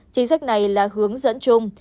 chính sách này là hướng dẫn chung